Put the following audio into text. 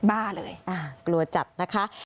บ้าเลยกลัวจับนะคะ